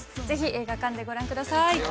ぜひ映画館でご覧ください